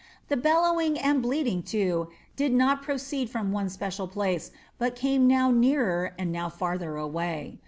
The bellowing and bleating, too, did not proceed from one special place, but came now nearer and now farther away.